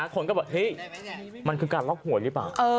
คนก็บอกเฮ้ยมันคือการล็อกหวยหรือเปล่า